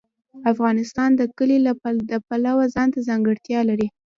افغانستان د کلي د پلوه ځانته ځانګړتیا لري.